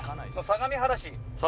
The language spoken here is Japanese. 相模原市？